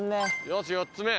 よし４つ目。